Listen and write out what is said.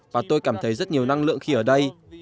và tôi cảm thấy rất nhiều năng lượng khi ở đây